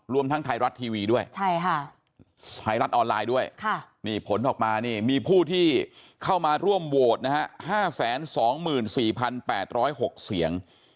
รวมทั้งไทยรัฐทีวีด้วยไทยรัฐออนไลน์ด้วยนี่ผลออกมานี่มีผู้ที่เข้ามาร่วมโหวตนะฮะ๕๒๔๘๐๖เสียง